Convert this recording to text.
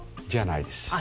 じゃないです。